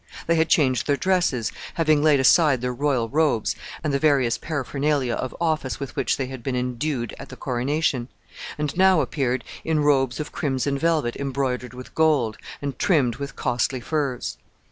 They had changed their dresses, having laid aside their royal robes, and the various paraphernalia of office with which they had been indued at the coronation, and now appeared in robes of crimson velvet embroidered with gold, and trimmed with costly furs.